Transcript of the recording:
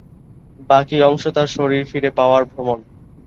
বাকী অংশ তাদের শরীর ফিরে পাওয়ার ভ্রমণ।